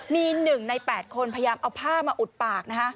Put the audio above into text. มี๑ใน๘คนพยายามเอาผ้ามาอุดปาก